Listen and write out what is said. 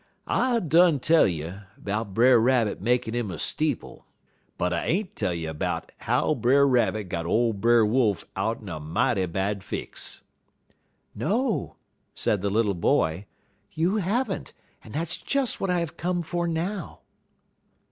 "I done tell you 'bout Brer Rabbit makin' 'im a steeple; but I ain't tell you 'bout how Brer Rabbit got ole Brer Wolf out'n er mighty bad fix." "No," said the little boy, "you have n't, and that's just what I have come for now."